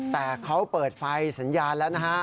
แต่เขาเปิดไฟสัญญาณแล้วนะฮะ